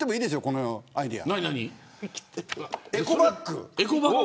このアイデア。